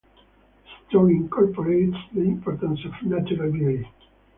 The story incorporates the importance of natural beauty.